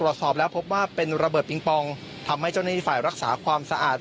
ตรวจสอบแล้วพบว่าเป็นระเบิดปิงปองทำให้เจ้าหน้าที่ฝ่ายรักษาความสะอาด